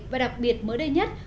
và đặc biệt mới đây nhất